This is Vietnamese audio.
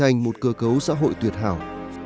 thành một cơ cấu xã hội tuyệt hảo